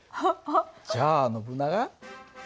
じゃあノブナガ